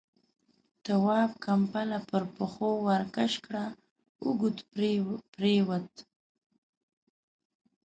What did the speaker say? تواب ، کمپله پر پښو ورکش کړه، اوږد پرېووت.